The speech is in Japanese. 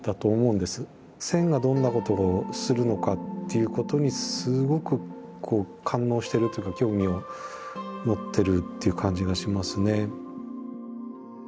線がどんなことをするのかっていうことにすごくこう感応してるっていうか興味を持ってるっていう感じがしますね。